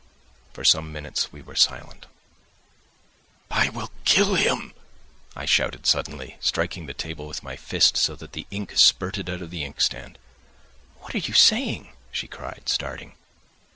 For some minutes we were silent. "I will kill him," I shouted suddenly, striking the table with my fist so that the ink spurted out of the inkstand. "What are you saying!" she cried, starting.